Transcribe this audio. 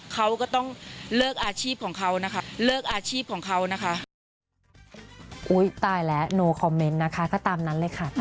เขาก็ต้องเลิกอาชีพของเขานะคะ